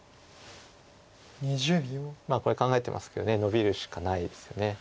これ考えてますけどノビるしかないですよね。